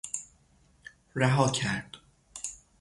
رها کرد